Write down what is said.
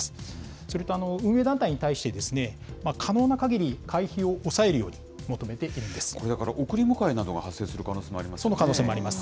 それと、運営団体に対してですね、可能なかぎり会費を抑えるようにこれ、だから、送り迎えなどその可能性もあります。